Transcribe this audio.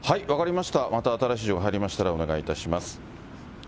また新しい情報入りましたら、お願いします。